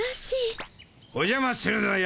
おじゃまするぞよ。